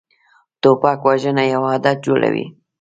توپک وژنه یو عادت جوړوي.